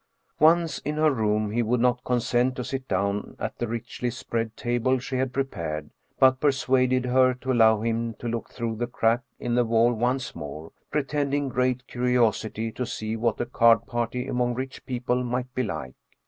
Once in her room he would not consent to sit down at the richly spread table she had prepared, but persuaded her to allow him to look through the crack in the wall once more, pretending great curiosity to see what a card party among rich people might be like.